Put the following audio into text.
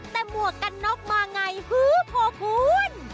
แต่หมวกกันน็อกมาไงฮือโพคุณ